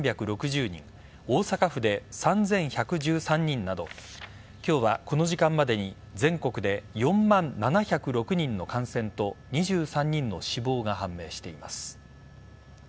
大阪府で３１１３人など今日は、この時間までに全国で４万７０６人の感染と２３人の死亡が判明しています。